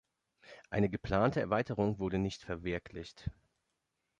Eine geplante Erweiterung wurde nicht verwirklicht.